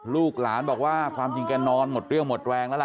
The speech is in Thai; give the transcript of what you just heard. ลูกหลานบอกว่าความจริงแกนอนหมดเรี่ยวหมดแรงแล้วล่ะ